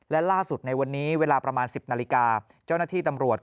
และล่าสุดในวันนี้เวลาประมาณ๑๐นาฬิกาเจ้าหน้าที่ตำรวจ